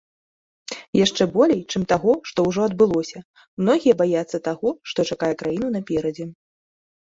Яшчэ болей, чым таго, што ўжо адбылося, многія баяцца таго, што чакае краіну наперадзе.